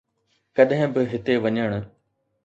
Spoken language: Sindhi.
ڪڏهن به هتي وڃڻ